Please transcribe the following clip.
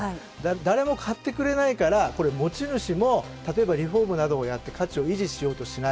誰も買ってくれないから持ち主も例えば、リフォームなどをやって価値を維持しようとしない。